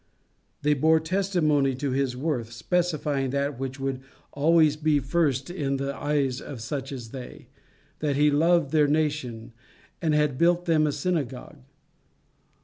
They bore testimony to his worth, specifying that which would always be first in the eyes of such as they, that he loved their nation, and had built them a synagogue.